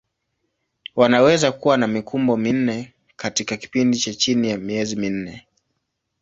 Wanaweza kuwa na mikumbo minne katika kipindi cha chini ya miezi minne.